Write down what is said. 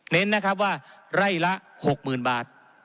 เน้นนะครับว่าไร่ละ๖๐๐๐บาท